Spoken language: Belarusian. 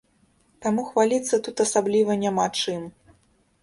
Таму хваліцца тут асабліва няма чым.